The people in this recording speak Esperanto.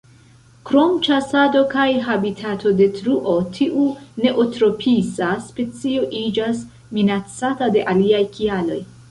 Krom ĉasado kaj habitatodetruo, tiu neotropisa specio iĝas minacata de aliaj kialoj.